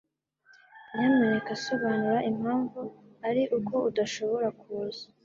Nyamuneka sobanura impamvu ari uko udashobora kuza.